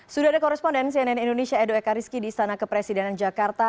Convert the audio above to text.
sudah ada korespondensi nn indonesia edo ekariski di istana kepresidenan jakarta